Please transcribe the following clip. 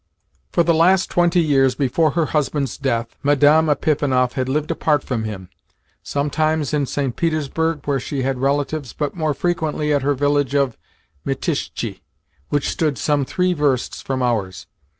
For the last twenty years before her husband's death, Madame Epifanov had lived apart from him sometimes in St. Petersburg, where she had relatives, but more frequently at her village of Mitishtchi, which stood some three versts from ours.